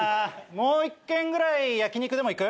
もう一軒ぐらい焼き肉行く？